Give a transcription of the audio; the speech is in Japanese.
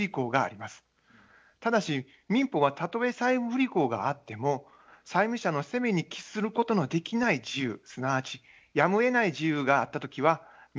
ただし民法はたとえ債務不履行があっても債務者の責めに帰することのできない事由すなわちやむをえない事由があった時は免責されると規定しています。